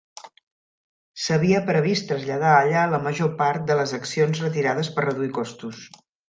S'havia previst traslladar allà la major part de les accions retirades per reduir costos.